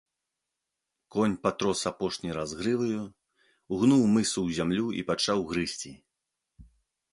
Конь патрос апошні раз грываю, угнуў мысу ў зямлю і пачаў грызці.